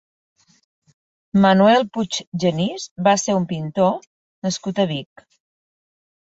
Manuel Puig Genís va ser un pintor nascut a Vic.